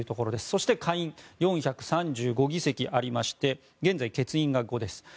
そして、下院４３５議席ありまして現在、欠員が５です。